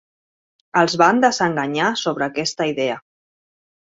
Els van desenganyar sobre aquesta idea.